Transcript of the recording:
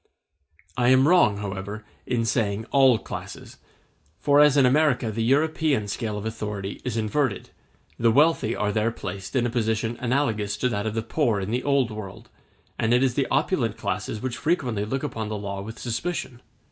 I am wrong, however, in saying all classes; for as in America the European scale of authority is inverted, the wealthy are there placed in a position analogous to that of the poor in the Old World, and it is the opulent classes which frequently look upon the law with suspicion.